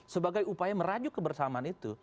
sebagai upaya merajuk kebersamaan itu